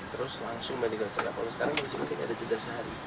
terus langsung mendidak jaga kalau sekarang masih mungkin ada jejak sehari